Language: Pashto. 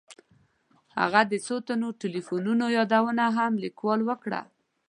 هغه د څو تنو تیلیفونونو یادونه هم لیکوال ته وکړه.